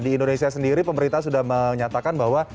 di indonesia sendiri pemerintah sudah menyatakan bahwa